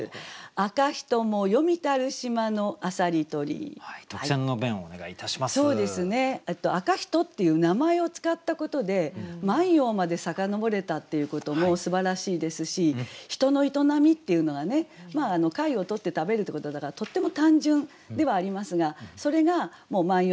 「赤人」っていう名前を使ったことで万葉まで遡れたっていうこともすばらしいですし人の営みっていうのがね貝を取って食べるってことだからとっても単純ではありますがそれがもう万葉の昔。